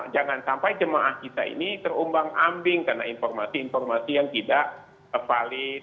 jangan sampai jemaah kita ini terumbang ambing karena informasi informasi yang tidak valid